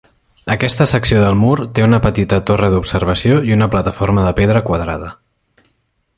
Aquesta secció del mur té una petita torre d'observació i una plataforma de pedra quadrada.